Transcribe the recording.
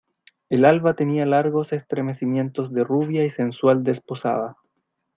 el alba tenía largos estremecimientos de rubia y sensual desposada.